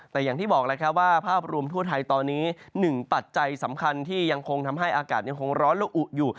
แต่อย่างที่บอกแล้วครับว่าภาพรวมทั่วไทยตอนนี้๑ปัจจัยสำคัญที่ยังคงทำให้อากาศยังคงร้อนและอุอยู่